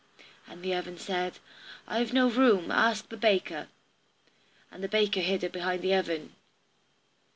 And the oven said, "I've no room, ask the baker," and the baker hid her behind the oven.